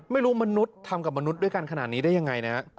ไม่รู้มนุษย์ทำกับมนุษย์ด้วยกันขนาดนี้ได้ยังไงนะ